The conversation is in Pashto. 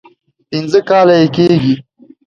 پنځه کاله یې کېږي.